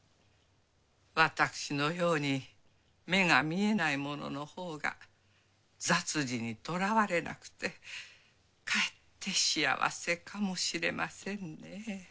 私のように目が見えない者のほうが雑事にとらわれなくてかえって幸せかもしれませんね。